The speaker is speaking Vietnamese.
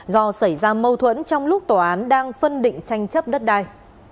do xảy ra mâu thuẫn trong lúc tòa án đang phân định tranh chấp đất đai